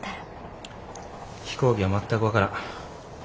飛行機は全く分からん。